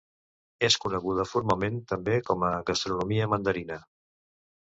És coneguda formalment també com a gastronomia mandarina.